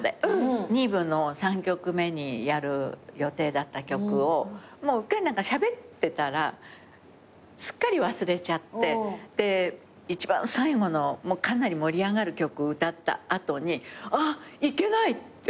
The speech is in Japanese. ２部の３曲目にやる予定だった曲をうっかりしゃべってたらすっかり忘れちゃって一番最後のかなり盛り上がる曲歌った後にあっいけない！って思って。